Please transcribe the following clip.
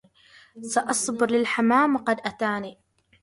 سأصبر للحمام وقد أتاني